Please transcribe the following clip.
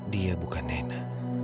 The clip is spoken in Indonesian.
dia bukan nena